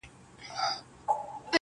o قاضي و ویل سړي ته نه شرمېږي,